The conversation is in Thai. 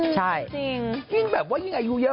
จริงแบบว่ายิ่งอายุเยอะ